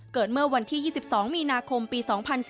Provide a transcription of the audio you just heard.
เกิดเมื่อวันที่๒๒มีนาคมปี๒๔๙